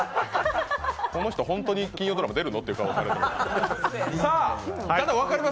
この人本当に金曜ドラマ出るの？って顔してます。